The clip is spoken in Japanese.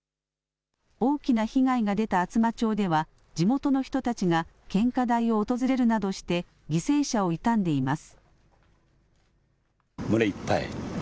大きな被害が出た厚真町では地元の人たちが献花台を訪れるなどして犠牲者を悼んでいます。